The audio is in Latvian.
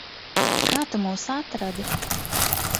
Kā tu mūs atradi?